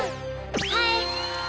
はい！